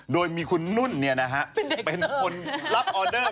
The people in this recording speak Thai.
โดยมีคุณนุ่นนี่นะฮะเป็นคนรับออเดอร์เป็นเด็กเซิร์ฟ